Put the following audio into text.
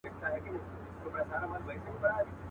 یو کیسې کوي د مړو بل د غم په ټال زنګیږي.